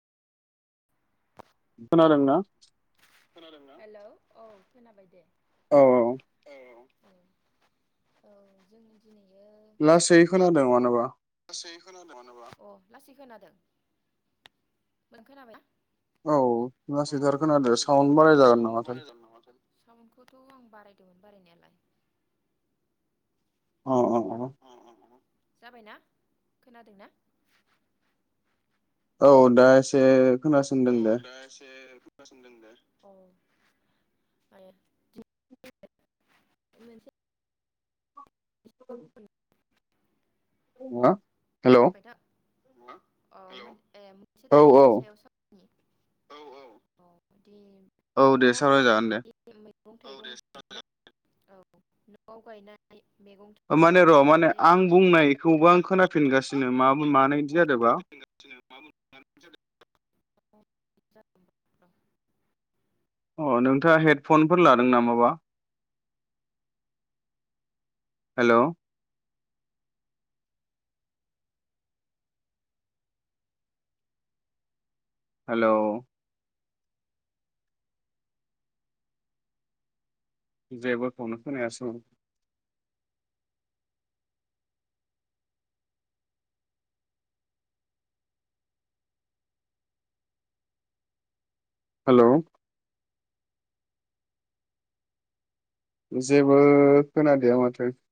खोनादोंना? खोनादोंना? हेलौ औ खोनाबाय दे। औ औ-औ। औ औ जों दिनै। लासै खोनादों मानोबा लासै खोनादों मानोबा अ लासै खोनादों? ओं खोनाबायना? औ औ लासैथार खोनादों लासैथार साउन्ड बाराय खोनादों जागोन साउन्द नामाथाय बाराय जागोन नामाथाय? साउन्द खौथ'आं। बारायदोंमोन बारायनायालाय? अ-अ। जाबायना खोनादों ना? औ दा एसे। खोनासंदों दे। खोनासंदोंदे अ [inaudible] [unintelligible] हा। हेलौ। मा हेलौ औ। औ ए औ मोनसे टपिकनि सायाव सावरायनि। औ-औ। औ दे सावरायजागोन दे। ओ दे सावरायजागोनदे न'आव गायनानै। माने र' माने आं बुंनायखौबो अनगायै आं खोनाफिन। आं [unintelligible] मानो बिदि बुंनायखौबो जादोंबा? खोनाफैदोंगासिनो मा बुंदों [unintelligible] अ नोंथाङा हेडफनफोर लादों नामाबा हेल? हेलौ जेबोखौनो खोनायासं? हेलौ जेबो खोनादिया माथो